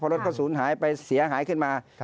รถก็ศูนย์หายไปเสียหายขึ้นมา